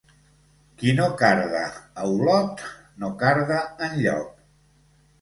Qui no carda a Olot, no carda enlloc.